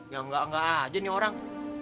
ya enggak enggak aja nih orang